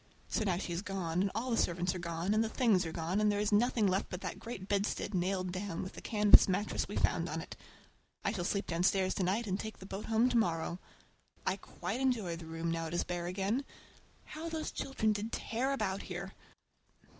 So now she is gone, and the servants are gone, and the things are gone, and there is nothing left but that great bedstead nailed down, with the canvas mattress we found on it. We shall sleep downstairs to night, and take the boat home to morrow. I quite enjoy the room, now it is bare again. How those children did tear about here!